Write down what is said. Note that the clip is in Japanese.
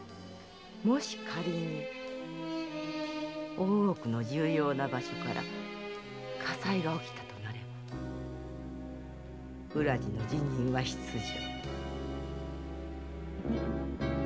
もし仮に大奥の重要な場所から火災がおきたとなれば浦路の辞任は必定。